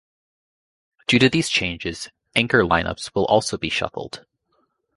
Due to these changes, anchor lineups will also be shuffled.